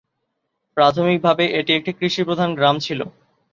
এটি প্রাথমিকভাবে এটি একটি কৃষিপ্রধান গ্রাম ছিল।